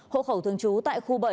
hộ khẩu thường trú tại khu bảy